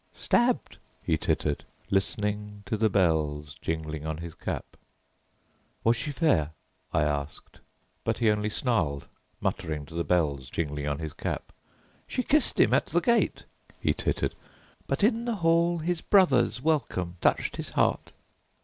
"Stabbed," he tittered, listening to the bells jingling on his cap. "Was she fair?" I asked, but he only snarled, muttering to the bells jingling on his cap. "She kissed him at the gate," he tittered, "but in the hall his brother's welcome touched his heart."